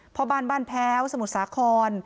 พ่อบ้านบ้านแพ้วสมุทรสาคร